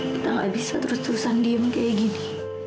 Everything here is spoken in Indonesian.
kita gak bisa terus terusan diem kayak gini